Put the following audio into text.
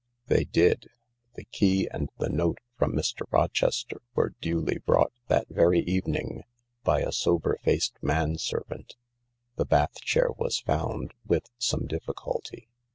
They did. The key and the note from Mr, Rochester were duly brought that very evening by a sober faced man servant. The bath chair was found, with some difficulty.